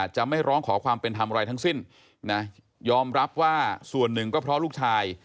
จะไม่ร้องขอความเป็นธรรมอะไรทั้งสิ้นนะยอมรับว่าส่วนหนึ่งก็เพราะลูกชาย